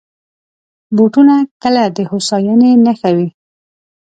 بوټونه کله د هوساینې نښه وي.